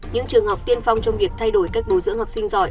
những trường học tiên phong trong việc thay đổi cách bồi dưỡng học sinh giỏi